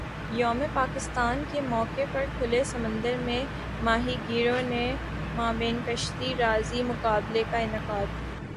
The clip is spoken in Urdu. یوم پاکستان کے موقع پر کھلے سمندر میں ماہی گیروں کے مابین کشتی رانی مقابلے کا انعقاد